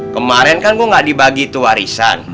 kemarin kan gue gak dibagi itu warisan